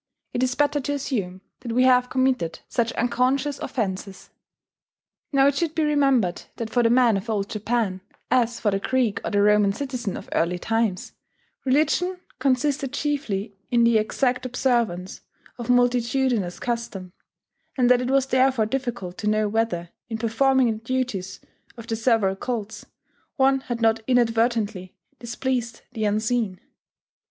It is better to assume that we have committed such unconscious offences." Now it should be remembered that for the man of Old Japan, as for the Greek or the Roman citizen of early times, religion consisted chiefly in the exact observance of multitudinous custom; and that it was therefore difficult to know whether, in performing the duties of the several cults, one had not inadvertently displeased the Unseen.